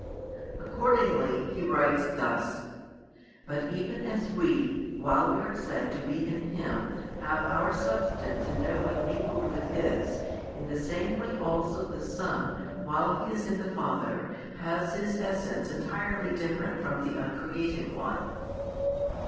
Accordingly he writes thus: "But even as we, while we are said to be in Him, have our substance in no way mingled with His; in the same way also the Son, while He is in the Father, has His essence entirely different from the Uncreated One."